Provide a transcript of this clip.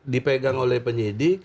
dipegang oleh penyidik